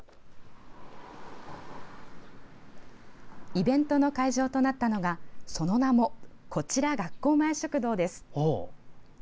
イベントの会場となったのがその名も「こちら、学校前食堂」です。